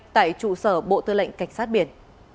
tại trụ sở bộ tư lệnh cảnh sát biển